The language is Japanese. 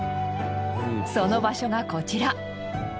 その場所がこちら。